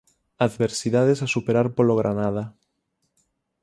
Adversidades a superar polo Granada.